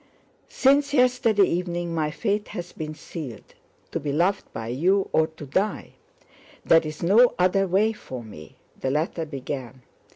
"Since yesterday evening my fate has been sealed; to be loved by you or to die. There is no other way for me," the letter began.